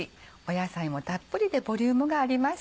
野菜もたっぷりでボリュームがあります。